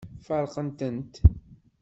Feṛqent-tent.